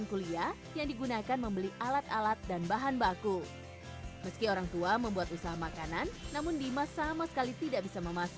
kapasitas dadaan itu bisa sampai satu empat ratus satu lima ratus itu bisa